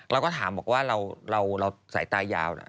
เราก็ถามบอกว่าเราสายตายาวนะ